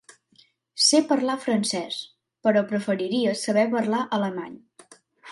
Sé parlar francès, però preferiria saber parlar alemany.